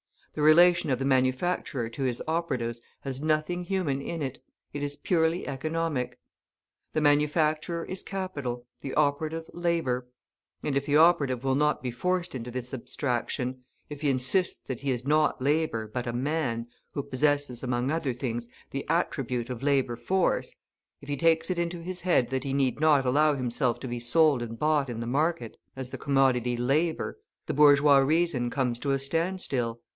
The relation of the manufacturer to his operatives has nothing human in it; it is purely economic. The manufacturer is Capital, the operative Labour. And if the operative will not be forced into this abstraction, if he insists that he is not Labour, but a man, who possesses, among other things, the attribute of labour force, if he takes it into his head that he need not allow himself to be sold and bought in the market, as the commodity "Labour," the bourgeois reason comes to a standstill.